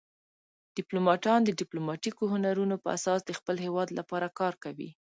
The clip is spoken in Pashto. ډیپلوماتان د ډیپلوماتیکو هنرونو په اساس د خپل هیواد لپاره کار کوي